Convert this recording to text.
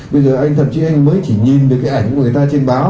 bây giờ anh thậm chí anh mới chỉ nhìn được cái ảnh của người ta trên báo